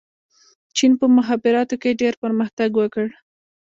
چین په مخابراتو کې ډېر پرمختګ وکړ.